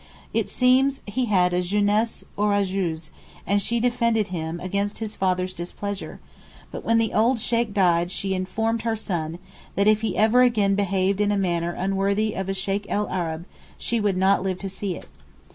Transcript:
It seems he had a 'jeunesse orageuse' and she defended him against his father's displeasure, but when the old Sheykh died she informed her son that if he ever again behaved in a manner unworthy of a Sheykh el Arab she would not live to see it.